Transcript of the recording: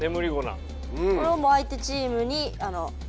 これをもう相手チーム